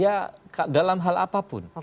ya dalam hal apapun